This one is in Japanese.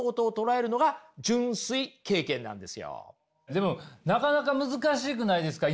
でもなかなか難しくないですか？